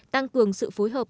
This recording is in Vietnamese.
tăng cường sự phối hợp